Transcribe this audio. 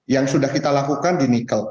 yang sudah kita lakukan di nikel